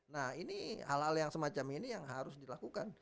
nah ini hal hal yang semacam ini yang harus dilakukan